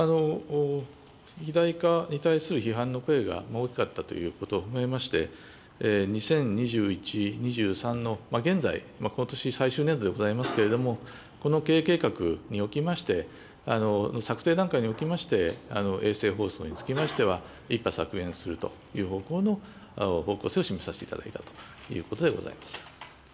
肥大化に対する批判の声が大きかったということを踏まえまして、２０２１、２３の現在、ことし最終年度でございますけれども、この経営計画におきまして、策定段階におきまして、衛星放送につきましては１波削減するという方向の、方向性を示させていただいたということでございます。